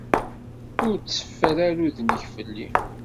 Ur tteffer ara udem-ik fell-i.